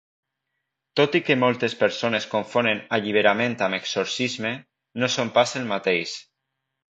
Tot i que moltes persones confonen alliberament amb exorcisme, no són pas el mateix.